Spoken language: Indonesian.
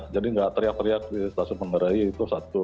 jadi gak teriak teriak di stasiun manggarai itu satu